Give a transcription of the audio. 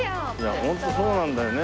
ホントそうなんだよね。